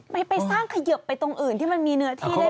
ไปสร้างเขยิบไปตรงอื่นที่มันมีเนื้อที่ได้